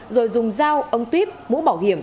rồi dùng dao ống tuyếp mũ bảo hiểm